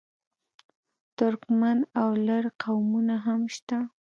ترکمن او لر قومونه هم شته.